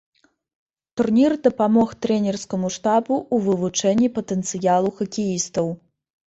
Турнір дапамог трэнерскаму штабу ў вывучэнні патэнцыялу хакеістаў.